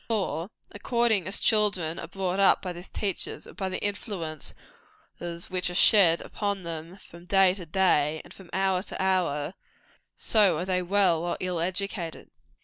For, according as children are brought up by these teachers, and by the influences which are shed upon them from day to day and from hour to hour, so are they well or ill educated.